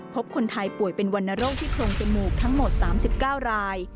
พบคนไทยป่วยเป็นวรรณโรคที่โรงจมูกทั้งหมด๓๙ราย